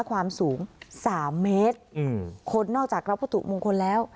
ความสูงสามเมตรอืมคนนอกจากรับวัตถุมงคลแล้ว